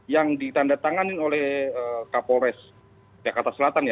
yang ditanda tanganin oleh kapolres jakarta selatan ya